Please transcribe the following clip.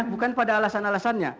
bukan pada alasan alasannya